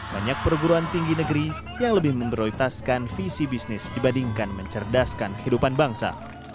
banyak perguruan tinggi negeri yang lebih memprioritaskan visi bisnis dibandingkan mencerdaskan kehidupan bangsa